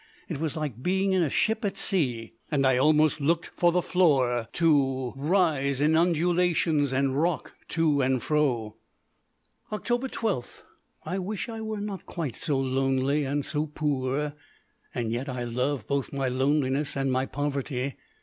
It was like being in a ship at sea, and I almost looked for the floor to rise in undulations and rock to and fro. Oct. 12. I wish I were not quite so lonely and so poor. And yet I love both my loneliness and my poverty.